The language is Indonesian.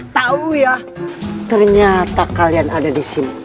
tahu ya ternyata kalian ada di sini